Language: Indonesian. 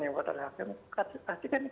yang kota terhadap hakim pasti kan